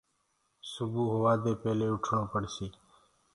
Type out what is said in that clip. سبو هووآ دي پيلي اُٺڻو پڙسيٚ